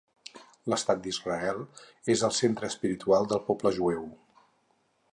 L'estat d'Israel és el centre espiritual del poble jueu.